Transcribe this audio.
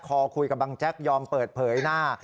คอคุยกับบังแจ๊กยอมเปิดเผยหน้า